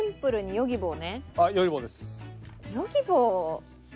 ヨギボー。